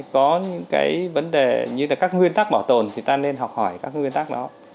có những vấn đề như các nguyên tắc bảo tồn thì ta nên học hỏi các nguyên tắc đó